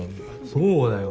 そうだよ。